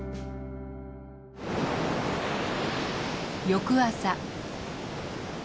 翌朝。